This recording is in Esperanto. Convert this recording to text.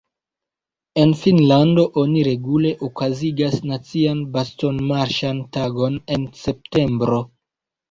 En Finnlando oni regule okazigas nacian bastonmarŝan tagon en septembro.